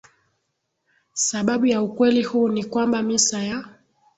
Sababu ya ukweli huu ni kwamba misa ya